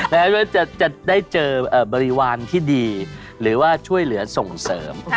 แม้ว่าจะได้เจอบริวารที่ดีหรือว่าช่วยเหลือส่งเสริม